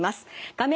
画面